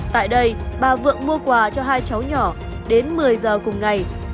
tại đây bà vượng mua quà cho hai cháu nhỏ đến một mươi giờ cùng ngày